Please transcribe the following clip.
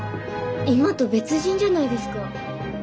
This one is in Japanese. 今と別人じゃないですか。